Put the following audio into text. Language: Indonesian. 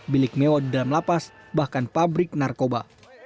bilik mewah di dalam lapas bahkan pabrik narkoba